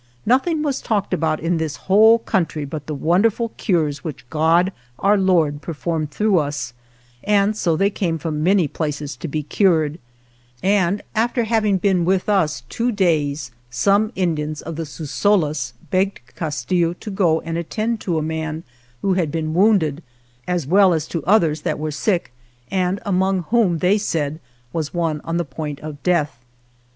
Nothing was talked about in this whole country but of the wonderful cures which God, Our Lord, performed through us, and so they came from many places to be cured, and after having been with us two days some Indians of the Susolas begged Castillo to go and attend to a man who had been wounded, as well as to others that were sick 105 THE JOURNEY OF and among whom, they said, was one on the point of death.